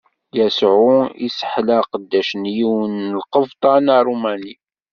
Yasuɛ isseḥla aqeddac n yiwen n lqebṭan Aṛumani.